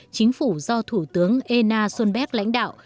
chính phủ do thủ tướng ena solberg lãnh đạo